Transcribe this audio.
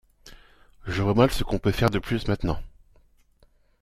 Je vois mal ce qu’on peut faire de plus maintenant.